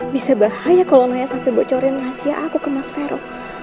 bisa bahaya kalau naya sampai bocorin asia aku ke mas vero